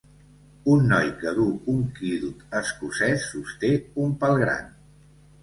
Un noi que du un kilt escocès sosté un pal gran.